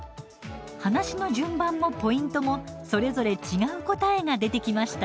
話の順番もポイントもそれぞれ違う答えが出てきました。